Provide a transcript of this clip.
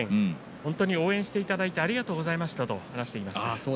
本当に応援していただいてありがとうございましたということでした。